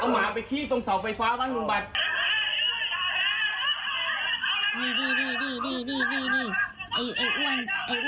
นี่แม่แม่ไม่เชื่อมาดูนี่มาดูตรงนี้